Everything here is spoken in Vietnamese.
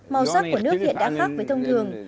màu sắc của nước hiện đã khác với thông thường